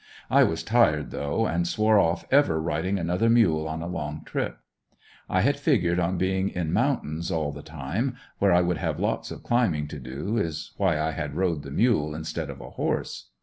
I was tired though, and swore off ever riding another mule on a long trip. I had figured on being in mountains all the time, where I would have lots of climbing to do, is why I rode the mule instead of a horse.